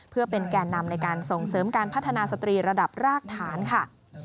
เพื่อเป็นแก่นำในการส่งเสริมการพัฒนาสตรีระดับรากฐานค่ะ